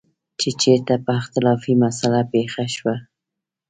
چې چېرته به اختلافي مسله پېښه شوه.